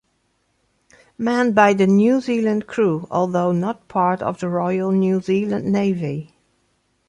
Manned by New Zealand crew, although not part of the Royal New Zealand Navy.